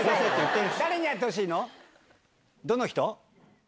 どの人？